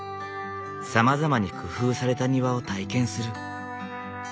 さまざまに工夫された庭を体験する。